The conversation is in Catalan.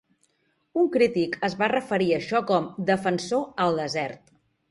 Un crític es va referir a això com "Defensor al desert".